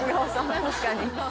確かに。